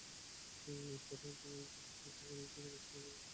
তাকে আরো জানানো হয় যে, কুরাইশদের অবস্থান এখন আগের মত নেই।